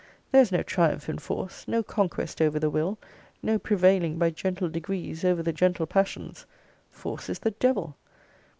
There is no triumph in force no conquest over the will no prevailing by gentle degrees over the gentle passions! force is the devil!